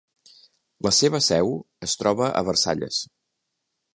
La seva seu es troba a Versalles.